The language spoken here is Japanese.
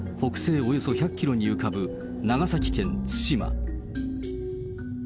およそ１００キロに浮かぶ長崎県対馬。